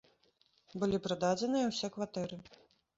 Былі прададзеныя ўсе кватэры.